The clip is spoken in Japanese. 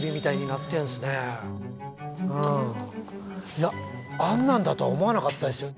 いやあんなんだとは思わなかったですよ。